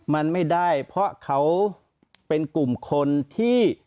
มันไม่ได้เพราะเขาเป็นกลุ่มคนที่